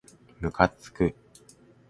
むかつく